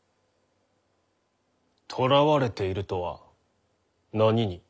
とらわれているとは何に？